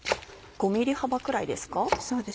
５ｍｍ幅くらいですか？